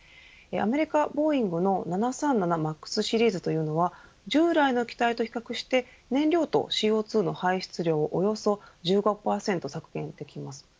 アメリカ、ボーイングの７３７ＭＡＸシリーズというのは従来の機体と比較して燃料とＣＯ２の排出量がおよそ１５％削減できます。